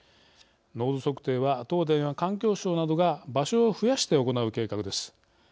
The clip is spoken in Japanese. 濃度測定は東電や環境省などが場所を増やして行う計画です。